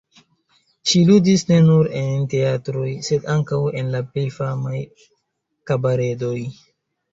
Ŝi ludis ne nur en teatroj, sed ankaŭ en la plej famaj kabaredoj.